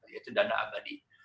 yaitu dana abadi